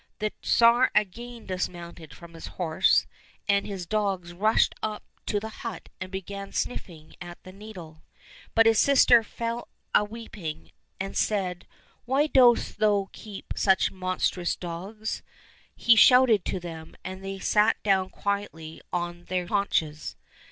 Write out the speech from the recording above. The Tsar again dismounted from his horse, and his dogs rushed up to the hut and began snuffing at the needle. But his sister fell a weeping, and said, " Why dost thou keep such monstrous dogs ?" He shouted to them, and they sat down quietly on their haunches.